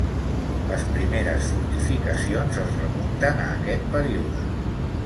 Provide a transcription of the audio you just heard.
Les primeres fortificacions es remunten a aquest període.